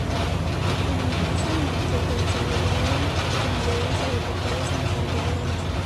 En “ese momento, se desarrollaban actividades agropecuarias en los alrededores.